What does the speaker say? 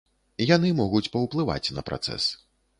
Яны могуць паўплываць на працэс.